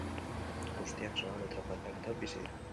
Guztiak zonalde tropikaletan bizi dira.